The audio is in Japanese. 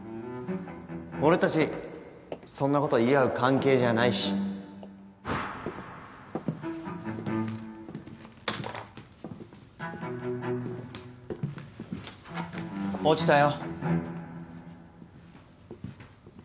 俺たちそんなこと言い合う関係じゃなパサッ落ちたよ。